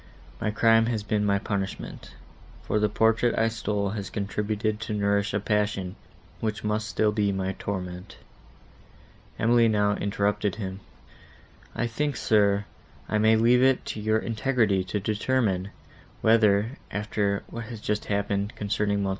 My crime has been my punishment; for the portrait I stole has contributed to nourish a passion, which must still be my torment." Emily now interrupted him. "I think, sir, I may leave it to your integrity to determine, whether, after what has just appeared, concerning Mons.